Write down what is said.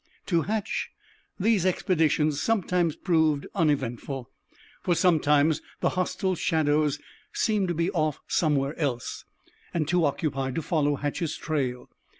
To Hatch these expeditions sometimes proved uneventful, for sometimes the hostile shadows seemed to be off somewhere else, and too occupied to follow Hatch's trail.